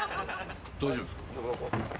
大丈夫っすか？